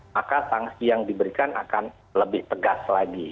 maka sanksi yang diberikan akan lebih tegas lagi